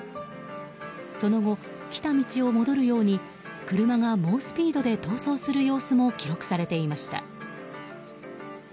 その後、来た道を戻るように車が猛スピードで逃走する様子も記録されていました。